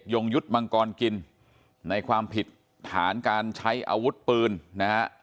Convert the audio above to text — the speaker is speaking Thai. ยงยุทธ์มังกรกินในความผิดฐานการใช้อาวุธปืนนะฮะ